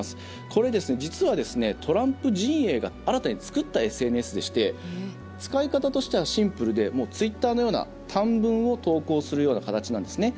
これ、実はトランプ陣営が新たに作ったＳＮＳでして使い方としてはシンプルでツイッターのような短文を投稿するような形なんですね。